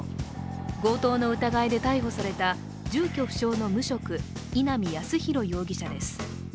強盗の疑いで逮捕された住居不詳の無職稲見康博容疑者です。